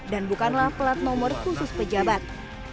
dan bukanlah pelat nomor khusus pejabat